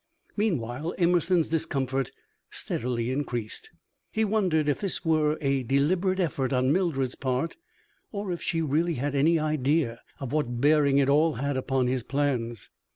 Meanwhile, Emerson's discomfort steadily increased. He wondered if this were a deliberate effort on Mildred's part, or if she really had any idea of what bearing it all had upon his plans.